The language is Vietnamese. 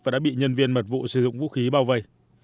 và đã bị nhân viên mật vụ sử dụng vũ khí bao vây